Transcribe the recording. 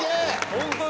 ホントだ。